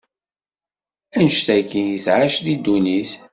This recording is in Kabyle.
annect-agi i tɛac di ddunit.